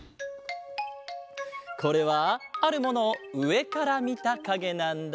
これはあるものをうえからみたかげなんだ。